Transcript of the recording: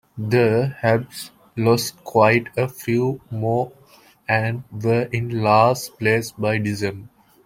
The Habs lost quite a few more and were in last place by December.